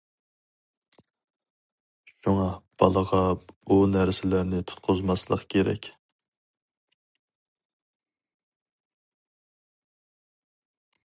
شۇڭا بالىغا ئۇ نەرسىلەرنى تۇتقۇزماسلىق كېرەك.